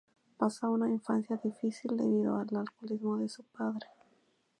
Pasó una infancia difícil debido al alcoholismo de su padre.